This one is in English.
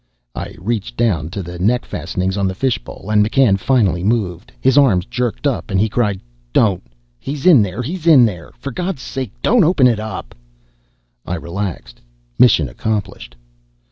I reached down to the neck fastenings on the fishbowl, and McCann finally moved. His arms jerked up, and he cried, "Don't! He's in there, he's in there! For God's sake, don't open it up!" I relaxed. Mission accomplished.